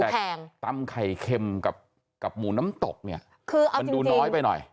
ตำไข่เค็มกับหมูน้ำตกเนี่ยคืออะไรมันดูน้อยไปหน่อย